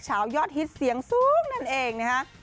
ยอดฮิตเสียงสูงนั่นเองนะฮะ